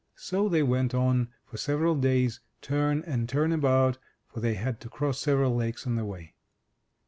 So they went on for several days, turn and turn about, for they had to cross several lakes on the way.